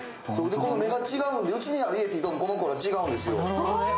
この目が違うんで、うちにあるイエティとこの子は違うんですよ。